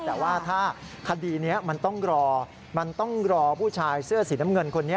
แต่ว่าถ้าคดีนี้มันต้องรอมันต้องรอผู้ชายเสื้อสีน้ำเงินคนนี้